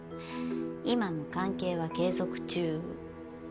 今も関係は継続中。